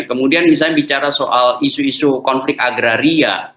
kemudian misalnya bicara soal isu isu konflik agraria